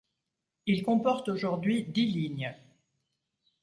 Il comporte aujourd'hui dix lignes.